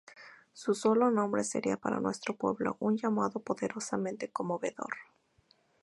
Su solo nombre sería, para nuestro pueblo, un llamado poderosamente conmovedor"".